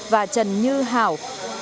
và trần như hảo